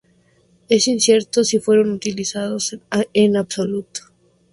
Es incierto si fueron utilizados en absoluto.